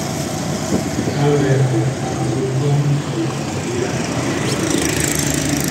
Tal vez en la Sala Witcomb o en la Galería Castillo.